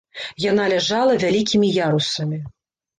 Яна ляжала вялікімі ярусамі.